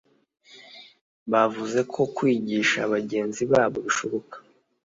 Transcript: bavuze ko kwigisha bagenzi babo bishoboka